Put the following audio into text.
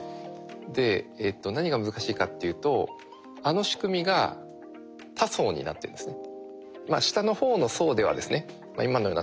何が難しいかっていうとあの仕組みが多層になってるんですね。